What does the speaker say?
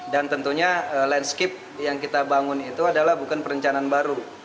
dan tentunya landscape yang kita bangun itu adalah bukan perencanaan baru